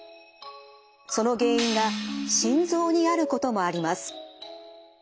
その原因が心臓にあることもあります。